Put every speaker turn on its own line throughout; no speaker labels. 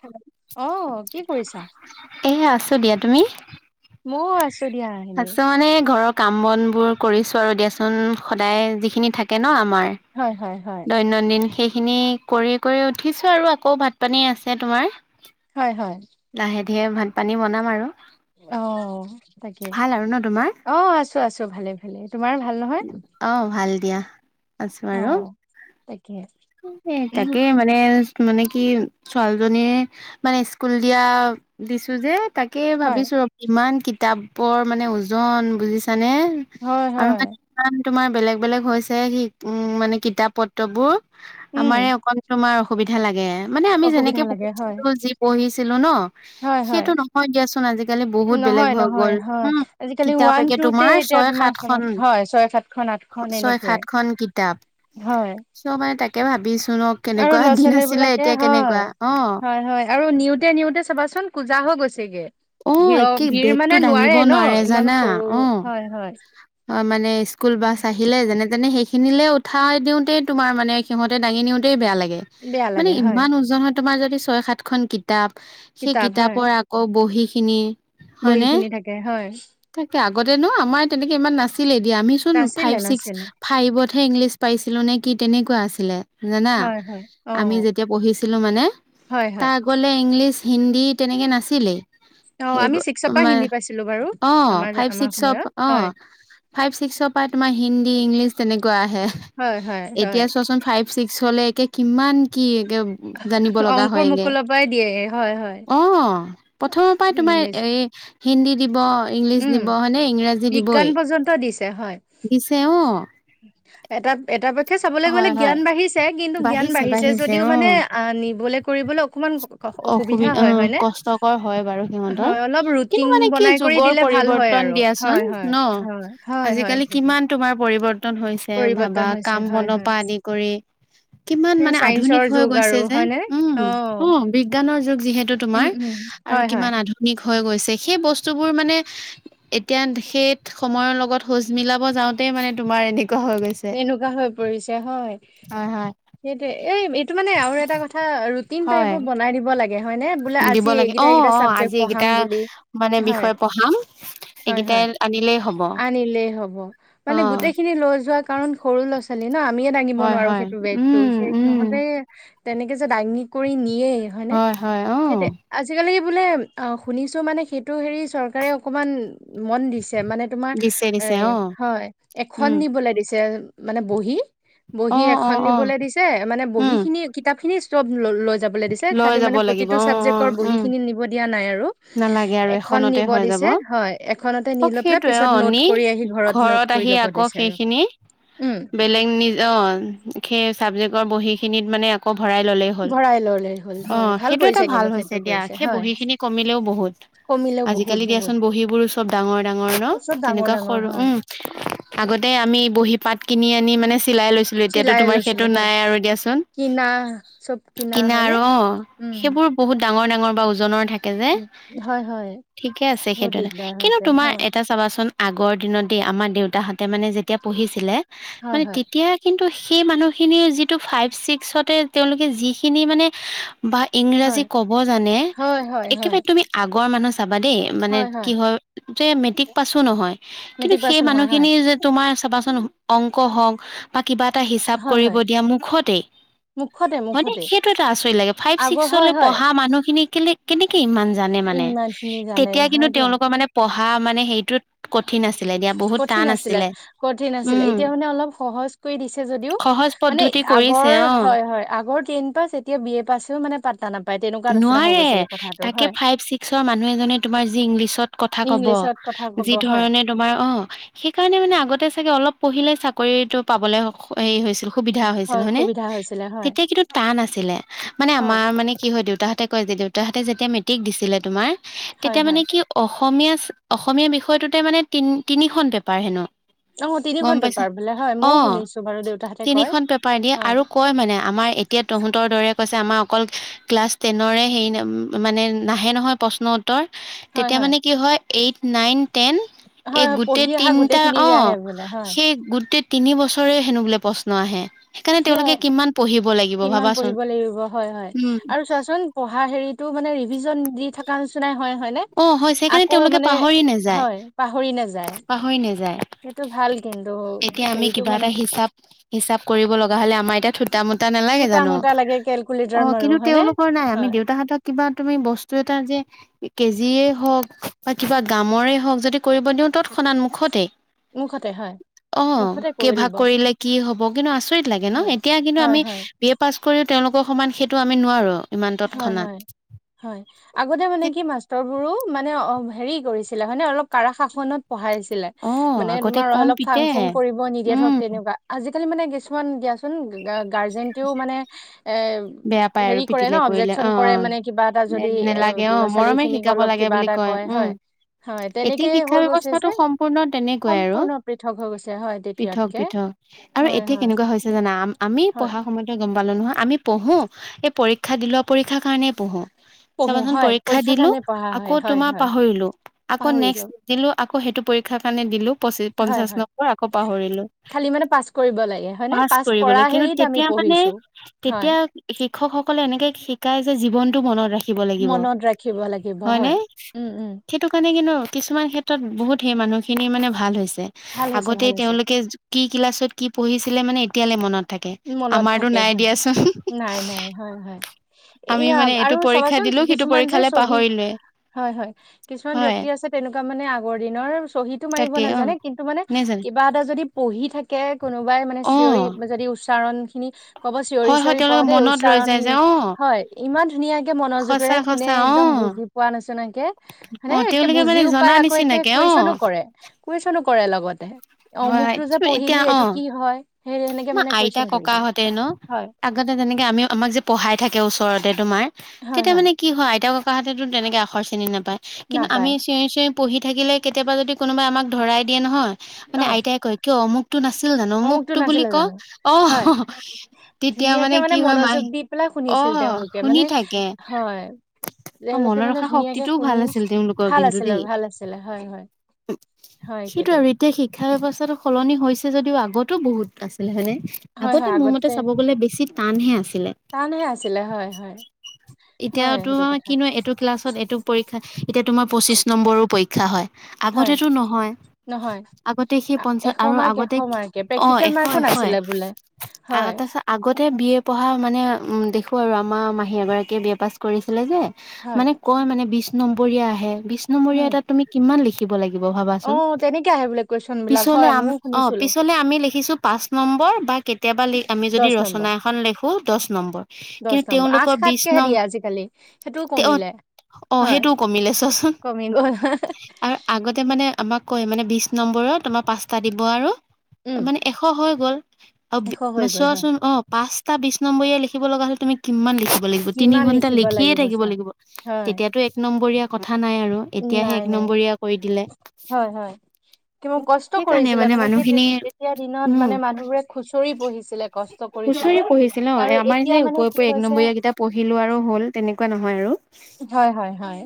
Hello. অহ, কি কৰিছা?
এ আছো দিয়া। তুমি?
ময়ো আছো দিয়া এনেই
আছো মানে ঘৰত কাম বনবোৰ কৰিছো আৰু দিয়াচোন সদায়যিখিনি থাকে। থাকে ন' আমাৰ।
হয় হয় হয়
দৈনন্দিন শেষ খিনি কৰি-কৰি উঠিছো আৰু আকৌ ভাত পানী আছে তোমাৰ।
হয়, হয়।
লাহে ধীৰে ভাত পানী বনাম আৰু।
অহ, তাকে।
ভাল আৰু ন তোমাৰ
অহ, আছোঁ আছোঁ ভালে-ভালে। তোমাৰ ভাল নহয়?
অহ, ভাল দিয়া। আছো আৰু
অহ, তাকে।
এ তাকে মানে [unintelligible] মানে কি ছোৱালীজনীয়ে মানে স্কুল দিয়া, দিছো যে। তাকে
হয়
ভাবিছোঁ আৰু ইমান কিতাপৰ মানে ওজন বুজিছানে।
হয়
আৰু
হয়
মানে ইমান তোমাৰ বেলেগ বেলেগ হৈছে সি উম, মানে কিতাপ পত্ৰবোৰ।
উম,
আমাৰে অকন তোমাৰ অসুবিধা লাগে। মানে আমি
অসুবিধা
যেনেকে
লাগে হয়
পঢ়িছিলোঁ, যি পঢ়িছিলোঁ ন'
হয় হয়
সেইটো নহয় দিয়াচোন আজি আজিকালি বহুত বেলেগ
নহয়
হৈ
নহয়
গ'ল
হয়
হম,
আজিকালি ওৱান
কিতাপে
টুতে
তোমাৰ
এতিয়া
ছয়
তোমাৰ
সাতখন।
হয় ছয় সাতখন আঠখন
ছয়
এনেকে
সাতখন কিতাপ।
হয়।
মানে তাকে ভাবিছো ন'
আৰু
কেনেকুৱা
ল'ৰা
দিন
ছোৱালী
আছিলে
বিলাকে
এতিয়া
হয়
কেনেকুৱা অহ।
হয় হয় আৰু নিওঁতে নিওঁতে চাবাচোন কূজা হৈ গৈছেগে।
অ একে
ভিৰ-ভিৰ
বেগটো
মানে
দাঙিব
নোৱাৰে ন' ইমান
জানা
সৰু
অ
হয়, হয়।
হয়, মানে স্কুল বাছ আহিলে যেনে-তেনে সেই খিনিলে উঠাই দিওঁতেই তোমাৰ মানে সিহতে দাঙি নিওঁতেই বেয়া লাগে,
বেয়া
মানে
লাগে হয়
ইমান উজনত তোমাৰ যদি ছয় সাতখন কিতাপ সেই
কিতাপ
কিতাপৰ আকৌ বহিখিনি।
বহিখিনি থাকে হয়।
তাকে আগতেনো আমাৰ তেনেকে ইমান নাছিলে দিয়া আমিচোন
নাছিলে
ফাইভ ছিক্স
নাছিলে
ফাইভতহে ইংলিছ পাইছিলোঁ নে কি তেনেকুৱা আছিলে। জানা
হয় হয় অ
আমি যেতিয়া পঢ়িছিলো মানে
হয় হয়
তাৰ আগলে ইংলিছ হিন্দী তেনেকৈ নাছিলেই।
অ
সেই
আমি ছিক্সৰ পৰা হিন্দী পাইছো।
অ ফাইভ ছিক্স অব অ।
হয়
ফাইভ ছিক্সৰ পৰা তোমাৰ হিন্দী ইংলিছ তেনেকুৱা আহে,
হয় হয় হয়
এতিয়া চোৱাচোন ফাইভ ছিক্সলে একে কিমান কি একে জানিব লগা
অংকুৰ
হয়গে,
মুকুলৰ পৰাই দিয়ে হয় হয়
অ। প্ৰথমৰ পৰাই তোমাৰ
ইংলিছ
এই হিন্দী দিব ইংলিছ
উম
দিব হয়নে ইংৰাজী
বিজ্ঞান
দিবয়ে,
পৰ্যন্ত দিছে হয়
দিছে অ।
এটা এটা পক্ষে চাবলৈ গলে
হয় হয়
জ্ঞান বাঢ়িছে কিন্তু জ্ঞান বাঢ়িছে যদিও মানে অ নিবলে কৰিবলে অকমান অসুবিধা
অ
হয় হয় নে,
কষ্টকৰ হয় বাৰু সিহঁতৰ
হয় অলপ
কিন্তু
ৰুটিন
মানে কি
বনাই কৰি
যুগৰ
দিলে ভাল হয়
পৰিৱৰ্তন
আৰু,
দিয়াচোন
হয় হয়
ন
হয় হয়
আজিকালি
সেইটোৱে।
কিমান তোমাৰ পৰিৱৰ্তন হৈছে
পৰিৱৰ্তন
ভাবা
হৈছে হয়
কামবনৰ
হয়
পৰা আদি কৰি কিমান
সেয়া
মানে আধুনিক
চাইন্সৰ
হৈ
যুগ
গৈছে
আৰু
যে
হয়নে
উম। উ অ বিজ্ঞানৰ যুগ যিহেতু
উম
তুমাৰ
উম
আৰু
হয় হয়
কিমান আধু নিক হৈ গৈছে, সেই বস্তুবোৰ মানে এতিয়া সেই সময়ৰ লগত খোজ মিলাব যাওঁতে মানে তোমাৰ এনেকুৱা হৈ গৈছে।
এনেকুৱা হৈ পৰিছে হয়,
হয় হয়
সেইটোৱে এই এইটো মানে আৰু এটা কথা এ ৰুটিন
হয়
টাইপৰ বনাই দিব লাগে। হয় নে, বোলে
দিব
আজি
লাগে অ
এইকেইটা এইকেইটা
অ আজি
চাবজেক্ট
এইকেইটা
পঢ়াম বুলি,
মানে বিষয়
হয়।
পঢ়াম
হয়
এইকেইটাই
হয়।
আনিলেই হ'ব।
আনিলেই হ'ব,
অ
মানে গোটেইখিনি লৈ যোৱা কাৰণ সৰু লৰা ছোৱালী ছোৱালী ন আমিয়ে দাঙিব
হয়
নোৱাৰো
হয়
সেইটো বেগতটো,
উম
সেই
উম
সিহঁতে তেনেকে যে দাঙি কৰি নিয়ে হয়নে,
হয় হয় অ
সিহঁতে আজিকালি বোলে অ শুনিছো মানে সেইটো হেৰি চৰকাৰে অকমান মন দিছে মানে তোমাৰ
দিছে
এ
দিছে অ
হয় এখন
উম
নিবলৈ দিছে, মানে বহি।
অ
বহী
অ
এখন
অ
নিবলৈ দিছে মানে
উম
বহীখিনি কিতাপখিনি চব ল লৈ যাবলৈ দিছে,
লৈ
খালি
যাব
মানে
লাগিব
প্ৰতিটো
অ অ
ছাবজেক্টৰ
উম
বহিখিনি নিব দিয়া নাই আৰু।
নালাগে আৰু
এখন
এখনতে
নিব
হৈ যাব,
দিছে হয় এখনতে নি
অ
লৈ পেলাই
সেইটো
পিছত
অ
নোট
নি,
কৰি আহি নোট
ঘৰত
কৰি
আহি
ল'ব
আকৌ
দিছে আৰু
সেইখিনি
উম
বেলেগ নিজ অ সেই চাবজেক্টৰ বহিখিনিত মানে আকৌ ভৰাই ললেই হ'ল,
ভৰাই ললে হ'ল
অ
হয় ভাল
সেইটো এটা
কৰিছে
ভাল
কিন্তু সেইটো
হৈছে দিয়া
কৰিছে
সেই
হয়
বহীখিনি হিলেও বহুত।
কমিলেও বহুত
আজিকালি
বহুত
দিয়াচোন বহীবোৰ চব ডাঙৰ ডাঙৰ ন,
চব ডাঙৰ
তেনেকুৱা
ডাঙৰ
সৰু
হয়
উম আগতে আমি বহী পাত কিনি আনি মানে চিলাই লৈছ এতিয়াতো
চিলাই
তোমাৰ সেইটো
লৈছিলো হয়
নাই আৰু দিয়াচোন।
কিনা চব কিনা হয়নে
আৰু অ
উম।
সেইবোৰ বহুত ডাঙৰ ডাঙৰ বা ওজনৰ থাক থাকে যে,
উম হয় হয়
ঠিকে আছে
বহুত
সেইটো এটা।
দিগদাৰ
কিন্তু
হৈছে
তোমাৰ
হয়
এটা চাবাচোন আগৰ দিনতে দে আমাৰ দেউতাহঁতে মানে যেতিয়া পঢ়িছিলে
হয়
মানে
হয়
তেতিয়া কিন্তু সেই মানুহখিনিৰ যিটো ফাইভ ছিক্সতে তেওঁলোকে যিখিনি মানে বা
হয়
ইংৰাজী ক'ব জানে
হয় হয় হয়
একেবাৰে তুমি আগৰ মানুহ চাবা দেই মানে কি হয় যে মেট্ৰিক পাছো নহয়। কিন্তু
মেট্ৰিক
সেই
পাছো নহয় হয়
মানুহখিনি যে তোমাৰ চাবাচোন অংক হওঁক কিবা এটা হিচাপ
হয়
কৰিব
হয়
দিয়া মুখতে
মুখতে
মানে
মুখতে
সেইটো এটা আচৰিত লাগে। ফাইভ
আগৰ হয়
ছিক্সলে
হয়
পঢ়া মানুহখিনি কেলে কেনেকে ইমান জানে মানে,
ইমান খিনি জানে
তেতিয়া
হয়
কিন্তু
দিয়া
তেওঁলোকৰ মানে পঢ়া মানে হেৰিটোত কঠিন আছিল।
কঠিন আছিলে কঠিন আছিলে।
উম,
এতিয়া মানে অলপ সহজ কৰি দিছে যদিও
সহজ
মানে
পদ্ধতি কৰিছে
আগৰ
অ',
হয় হয়। আগৰ টেন পাছ এতিয়া বি এ পাছও মানে পাত্তা নাপায়। তেনেকুৱা নিচিনা হৈ
নোৱাৰে,
গৈছেগে কথাটো
তাকে
হয়
ফাইভ ছিক্সৰ মানুহ এজনে তোমাৰ যি ইংলিছত কথা ক'ব।
ইংলিছত কথা
যি
ক'ব হয়
ধৰণে তোমাৰ অ', সেইকাৰণে মানে আগতে চাগে অলপ পঢ়িলে চাকৰিতটো পাবলে হেৰি হৈছিল। সুবিধা হৈছিল
হয়
হয়নে,
সুবিধা হৈছিলে হয়
তেতিয়া কিন্তু টান আছিলে। মানে
হয়
আমাৰ মানে কি হয় দেউতাহঁতে কয় যে, দেউতাহঁতে যেতিয়া মেট্ৰিক দিছিলে তোমাৰ
হয়
তেতিয়া
হয়
মানে কি অসমীয়া চা অসমীয়া বিষয়টোতে মানে তি তিনিখন পেপাৰ হেনো।
অ
গ'ম
তিনিখন
পাইছে,
পেপাৰ বোলে হয় ময়ও
অ'
শুনিছো বাৰু দেউতাহঁতে কয়
তিনিখন পেপাৰ দিয়ে।
হয়
আৰু কয় মানে আমাৰ এতি এতিয়া তহঁতৰ দৰে কৈছে আমাৰ অকল ক্লাছ টেনৰে হেৰি মানে নাহে নহয় প্ৰশ্ন ত্তৰ। তেতিয়া মানে কি হয় এইট নাইন টেন এই
হয় হয়
গোটেই
পঢ়ি অহা
তিনিটা
গোটেইখিনিৰে আহে
অ'
বোলে হয়
সেই গোটেই তিনি বছৰে হেনো বোলে প্ৰশ্ন আহে। সেইকাৰণে
সেয়াই
তেওঁলোকে কিমান পঢ়িব লাগিব
কিমান
ভাবাচোন? উম।
কিছুমান পঢ়া হেৰিতটো মানে ৰিভিজন দি থকা নিচনাই হয় হয়নে?
অ', হয় সেইকাৰণে
আকৌ
তেওঁলোকে
মানে
পাহৰি নাযায়
হয়, পাহৰি নাযায়।
পাহৰি নাযায়।
সেইটো ভাল কিন্তু
এতিয়া আমি
হেৰিটো
কিবা
মানে
এটা হিচাপ হিচাপ কৰিব লগা হ'লে আমাৰ এতিয়া থো টা মোটা নালাগে
থুটা
জানো?
মুটা লাগে কেলকুলেটাৰ
অ'
মাৰো
কিন্তু
হয়নে
তেওঁওলোকৰ নাই। আমি
হয়
দেউতাহঁতক কিবা তুমি বস্তু এটা যে কেজিয়েই হওঁক বা কিবা গ্ৰামৰে হওঁক যদি কৰিব দিওঁ তৎক্ষণাত মুুখতেই
মুখাতে হয়।
অ'
মুখতে
কেই
কৈ
ভাগ
দিব
কৰিলে কি হ'ব, কিন্তু আচৰিত লাগে ন।
হয়
এতিয়া কিন্তু
হয়
আমি
হয়
বি এ পাছ কৰিও তেওঁলোকৰ সমান সেইটো আমি নোৱাৰোঁ।
হয়, হয়, হয়। আগতে মানে কি মাষ্টৰ বোৰো মানে অ' হেৰি কৰিছিলে মানে অলপ কাৰা শাসনত পঢ়াইছিলে
অ
মানে
আগতে
তোমাৰ
কম
অলপ ফাং
পিতে
ফুং কৰিব নিদিয়ে
উম
ধৰক তেনেকুৱা। আজিকালি মানে কিছুমান দিয়াচোন গাৰ্জেনটেও মানে এ
বেয়া পায়
হেৰি
আৰু
কৰে ন
পিতিলে কৰিলে।
অবজেকচন
অ'
কৰে মানে কিবা এটা
অ'
যদি এ
নেলাগে অ'
ল'ৰা ছোৱালী
মৰমেৰে
খিনিক
শিকাব
অলপ
লাগে
কিবা
বুলি
এটা
কয়
হয়
উম।
হয়
এটি
তেনেকেই হৈ
শিক্ষা
গৈছে যে
ব্যৱস্থাটো সম্পূৰ্ণ তেনেকুৱাই আৰু
সম্পূৰ্ণ পৃথক হৈ গৈছে হয়
পৃথক
তেতিয়াতকে
পৃথক। আৰু
হয়
এতিয়া
হয়
কেনেকুৱা হৈছে জানা? আম আমি
হয়
পঢ়াৰ সময়তে গ'ম পালোঁ নহয়। আমি পঢ়োঁ এই পৰীক্ষা দিলো আৰু পৰীক্ষাৰ কাৰণেই পঢ়োঁ।
পঢ়ো
চাবাচোন
হয়
পৰীক্ষা
পৰীক্ষাৰ
দিলো
কাৰণে পঢ়া হয়
আকৌ
হয়
তোমাৰ
হয়
পাহৰিলো। আকৌ
পাহৰিলো
নেক্সট দিলো আকৌ সেইটো পৰীক্ষাৰ কাৰণে দিলো, পচি
হয়
পঞ্চাশ
হয়
নম্বৰ আকৌ পাহৰিলো।
খালি মানে পাছ কৰিব লাগে হয়নে?
পাছ
কৰা
কৰিবলৈ, কিন্তু
হেৰিত আমি
তেতিয়া মানে
পঢ়িছো। হয়,
তেতিয়া শিক্ষকসকলে এনেকে শিকায় যে জীৱনটো মনত ৰাখি কিব লাগিব
মনত ৰাখিব লাগিব
হয়নে।
হয়। উম, উম,
সেইটো কাৰণে কিন্তু কিছুমান ক্ষেত্ৰত বহুত সেই মানুহখিনি মানে ভাল হৈছে।
ভাল হৈছে, ভাল
আগতেই
হৈছে।
তেওঁলোকে কি ক্লাছত কি পঢ়িছিলে মানে এতিয়ালে মনত- থাকে,
মনত
আমাৰতো
থাকে
নাই
হয়,
দিয়াচ
নাই নাই হয় হয়
আমি
এয়া
মানে এইটো
আৰু
পৰীক্ষা
চাবাচোন
দিলো সিটো
কিছুমান যে
পৰীক্ষালে
চহী
পাহৰিলোৱে
হয় হয় কিছুমান
হয়।
ব্যক্তি আছে তেনেকুৱা মানে আগৰ দিনৰ চহী -টো মাৰিব
তাকে অ
নাজানে কিন্তু মানে
নে জানো
কিবা এটা যদি পঢ়ি থাকে কোনোবাই মানে
অ
চিঞৰি যদি ও উচ্চাৰণ খিনি কব চিঞৰি
হয় হয়
চিঞৰি পঢ়
তেওঁলোকে
দেই
মনত ৰৈ
উচ্চাৰণ
যায়
সি
যে অ
হয় ইমান ধুনীয়াকে
সঁচা
মনোযোগেৰে শুনে
সঁচা অ
একদম বুজি পোৱা নিচিনাকে,
অ
হয়নে, একে
তেওঁলোকে মানে
বুজিও পাই
জনা
আকৌ একে
নিচিনাকে অ
কুৱেচনো কৰে। কুৱেছনো কৰে লগতে অ
হয় হয়
অমুকটো যে পঢ়িলি
এতিয়া
এইটো
অ
কি হয় সেই সেনেকে
আমাৰ
মানে-
আইতা
কুৱেশন কৰি দিয়ে
ককাহতে ন,
হয়
আগ আগতে যেনেকে আমি আমাক যে পঢ়াই থাকে ওচৰতে তোমাৰ তেতিয়া মানে কি হয় আইতা-ক ককাহতেতো তেনেকে আখৰ চিনি নাপায় কিন্তু
নাপায়
আমি- চিঞৰি চিঞৰি পঢ়ি থাকিলে কেতিয়াবা যদি কোনোবাই আমাক ধৰাই দিয়ে নহয়
অ
মানে আইতাই কয়- কিয় অমুকটো নাছিল জানো অমুকটো বুলি
নাছিলে
ক
জানো
অ
হয়
তেতিয়া
ধুনীয়াকে
মানে কি হয়
মনোযোগ
মাহী
দি পেলাই
অ
শুনিছিল তেওঁলোকে
শুনি
মানে
থাকে।
হয়
অ
তেওঁলোকে
মনত
মানে
ৰখা
ধুনীয়াকে
শক্তিটোও ভাল
শুনি
আছিল তেওঁলোকৰ
ভাল
কিন্তু
আছিলে
দেই।
ভাল আছিলে হয় হয় হয় সেইটো।
এতিয়া শিক্ষা ব্যৱস্থাটো সলনি হৈছে যদিও আগতো বহুত আছিল হয়নে।
হয়
আগতে
হয়
মোৰ মতে চাব গলে বেছি টানহে আছিলে।
টানহে আছিলে হয় হয়
এতিয়া
হয় সেইটো
তোমাৰ
কথা।
কিনো এইটো ক্লাছত এইটো পৰীক্ষা এতিয়া তোমাৰ পঁচিছ নম্বৰো পৰীক্ষা হয়।
হয়
আগতেটো নহয়
নহয়
আগতে সেই
আ-
পঞ্চা আৰু আগতে অ এ
কো নাছিলে বোলে হয়।
আগতে বি এ পঢ়া মানে উম দেখো আৰু আমাৰ মাহী এগৰাকীয়ে বি এ পাছ কৰিছিলে যে-
হয়
মানে কয় মানে বিশ নম্বৰীয়া আহে বিশ নম্বৰীয়া
উম
এটাত- তুমি কিমান লিখিব লাগিব
অ
ভাবাচোন,
তেনেকে আহে বোলে কুৱেশচন বিলাক
পিছলে
হয়
আম
ময়ো
অ
শুনিছিলো
পিছলে আমি লিখিছো- পাঁচ নম্বৰ বা কেতিয়াবা লি আমি যদি
দহ
ৰচনা এখন লেখো দছ নম্বৰ। কিন্তু
দছ নম্বৰ, আঠ
তেওঁলোকৰ বিশ
সাতকেহে
নম
দিয়ে আজিকালি সেইটোও
অ
কমিলে।
অ
হয়
সেইটোও কমিলে চোৱাচোন।
কমি গ'ল
আৰু আগতে মানে আমাক কয় মানে বিছ নম্বৰৰ তোমাৰ পাঁচটা দিব আৰু
উম
মানে- এশ হৈ গ'ল
এশ
আৰু
হৈ গ'ল হয়
চোৱাচোন অ পাঁচটা বিশ নম্বৰীয়া লিখিব লগা হ'লে তুমি- কিমান লিখিব লাগিব, তিনি
কিমান
ঘন্টা
লিখিব
লিখিয়ে থাকিব
চা
লাগিব,
হয়।
তেতিয়াতো এক নম্বৰীয়া কথা নাই আৰু। এতিয়াহে
নাই
এক
নাই
নম্বৰীয়া কৰি দিলে,
হয় হয় কিমান কষ্ট
সেইকাৰণে
কৰিছিলে
মানে
সেই
মানুহখিনিয়ে
তেতিয়া দিনত
উম
মানে মানুহবোৰে খুচৰি পঢ়িছিলে কষ্ট কৰিছিলে
খুচৰি পঢ়িছিল অ
আৰু
আমাৰ
এতিয়া
যে
মানে
ওপৰে
কি
ওপৰে এক
হৈছে
নম্বৰীয়া গিটা পঢ়িলো আৰু হ'ল তেনেকুৱা নহয় আৰু।
হয় হয় হয়।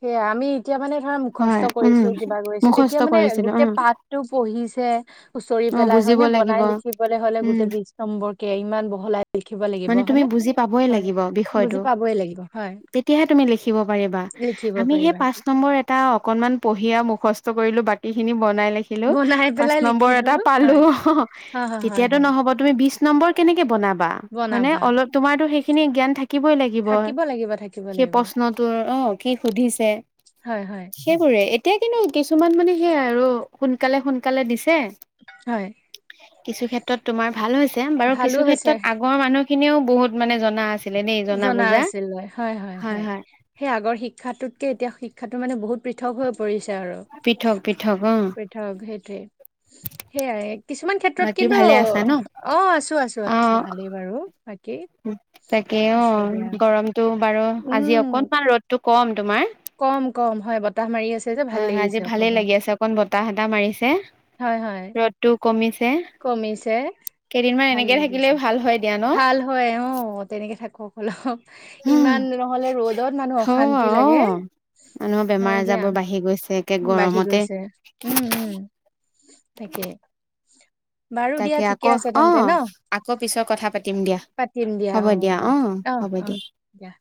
সেয়া আমি এতিয়া মানে ধৰা
হয়
মুখস্থ
উম
কৰিছো কিবা কৰিছো তেতিয়া
মুখস্থ
মানে
কৰিছিলো অ
গোটেই পাঠ- টো পঢ়িছে। খুচৰি
অ
পেলাই
বুজিব
হয়নে
লাগিব
বনাই লিখিবলৈ হলে
উম
গোটেই বিছ নম্বৰকে ইমান বহলাই লিখিব লাগিব
মানে তুমি
হয়নে।
বুজি পাবই
হয়
লাগিব
বুজি
বিষয়টো
পাবই লাগিব, হয়।
তেতিয়াহে তুমি লিখিব পাৰিবা,
লিখিব
আমি সেই
পাৰিবা
পাছ পাঁচ নম্বৰ এটা অকনমান পঢ়ি আ মুখস্থ কৰিলো বাকী খিনি বনাই লিখিলো,
বনাই
পাঁচ
পেলাই
নম্বৰ
লিখি
এট টা
থলো
পালো।
হয় হয় হয় হয়
তেতিয়াটো
হয়
নহ'ব তুমি বিছ নম্বৰ কেনেকে বনাবা হয় নে
বনাবা
অলপ- তোমাৰতো সেইখিনি জ্ঞান থাকিবই লা লাগিব
থাকিব লাগিব থাকিব
সেই
লাগিব
প্ৰশ্নটোৰ অ কি সুধিছে
হয় হয়
সেইবোৰে এতিয়া কিন্তু কিছুমান মানে সেই আৰু সোনকালে সোনকালে দিছে
হয়
কিছু ক্ষেত্ৰত তোমাৰ ভাল হৈছে বাৰু
ভালো
কিছু
হৈছে
ক্ষেত্ৰত আগৰ মানুহখিনিয়েও বহুত মানে জনা আছে কেলেনো এইজন না বুজা হয় হয়
সেই আগৰ শিক্ষাটোতকে এতিয়া শিক্ষাটো মানে বহুত পৃথক হৈ পৰিছে আৰু
পৃথক পৃথক অ
পৃ পৃথক সেইটোয়ে সেয়াই কিছুমান ক্ষেত্ৰত ত্ৰত
বাকী ভালে আছা ন।
কিন্তু অ আছো আছো আছো
অ',
ভালেই বাৰু বাকী
তাকে অ
আছো দিয়া
গৰমটো বাৰু আজি
উম
অকনমান ৰ'দটো কম তোমাৰ
কম কম হয় বতাহ মাৰি আছে যে ভাল
হয় হয় আজি
লাগিছে
ভালেই
অকমান
লাগি আছে অকণ বতাহ এটা মাৰিছে
হয় হয়
ৰ'দটো কমিছে
কমিছে
কেইদিনমান
ভাল
এনেকে থাকিলে
লাগিছে
ভাল হয় দিয়া ন
ভাল হয় অ তেনেকে থাকো অলপ ইমান নহ'লে ৰ'দত মানুহ
অ',
অশান্তি লাগে
অ', মানুহৰ বেমাৰ
হয় দিয়া
আজাৰবোৰ বাঢ়ি গৈছে একে
বাঢ়ি
গৰমতে
গৈছে উম উম তাকেই
তাকে আকৌ অ আকৌ পিছত কথা পাতিম দিয়া
পাতিম দিয়া
হ'ব
অ অ অ
হ'ব
অ
দিয়া।
দিয়া